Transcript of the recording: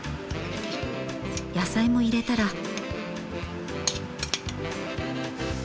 野菜も入れたら。